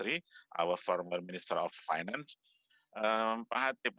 kita memiliki peringkat panjang pada oktober